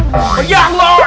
hah makanan ya allah